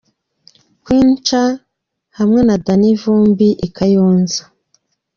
Queen Cha hamwe na Danny Vumbi i Kayonza.